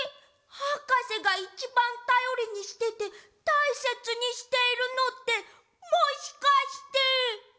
はかせがいちばんたよりにしててたいせつにしているのってもしかして。